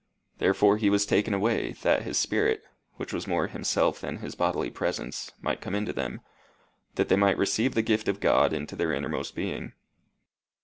Therefore he was taken away, that his Spirit, which was more himself than his bodily presence, might come into them that they might receive the gift of God into their innermost being.